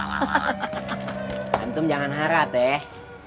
tentum jangan harap teh